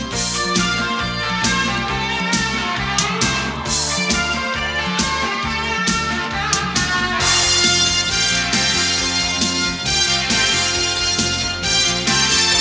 ละแซะละแซะละแซะละแซะเข้ามาสิ